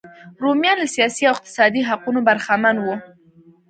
رومیان له سیاسي او اقتصادي حقونو برخمن وو.